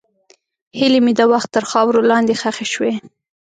هیلې مې د وخت تر خاورو لاندې ښخې شوې.